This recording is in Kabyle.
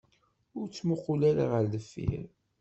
Ur ttmuqqul ara ɣer deffir.